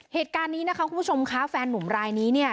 เหตุการณ์นี้นะคะคุณผู้ชมคะแฟนนุ่มรายนี้เนี่ย